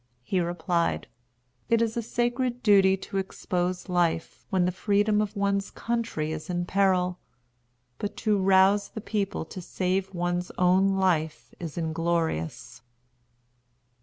He replied, "It is a sacred duty to expose life when the freedom of one's country is in peril; but to rouse the people to save one's own life is inglorious."